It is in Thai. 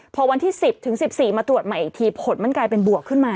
พอวันที่๑๐ถึง๑๔มาตรวจใหม่อีกทีผลมันกลายเป็นบวกขึ้นมา